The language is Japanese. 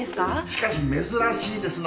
しかし珍しいですな。